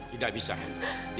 tidak bisa hendra